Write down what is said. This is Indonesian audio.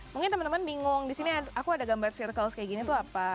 mungkin teman teman bingung di sini aku ada gambar circle kayak gini itu apa